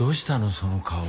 その顔。